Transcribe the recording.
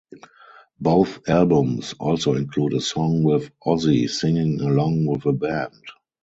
Both albums also include a song with Ozzy singing along with a band.